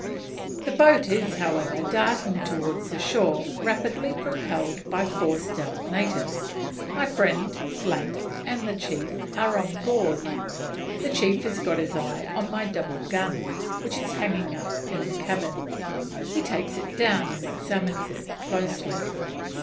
The boat is, however, darting towards the shore, rapidly propelled by four stout natives. My friend and the chief are on board. The chief has got his eye on my double gun, which is hanging up in the cabin. He takes it down and examines it closely.